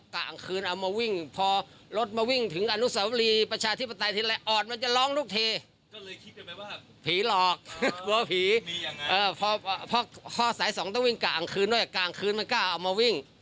กลางคืนมันกล้าเอามาวิ่ง